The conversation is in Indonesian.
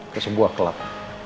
ke sebuah kelab